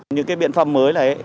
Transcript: những cái biện pháp mới này